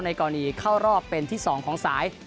กรณีเข้ารอบเป็นที่๒ของสาย